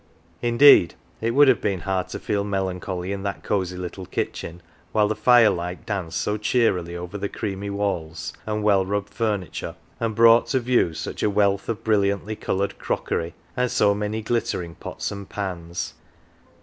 Indeed it would have been hard to feel melancholy in that cosy little kitchen while the firelight danced so cheerily over the creamy walls and well rubbed furniture, and brought to view such a wealth of brilliantly coloured crockery, and so many glittering pots and pans.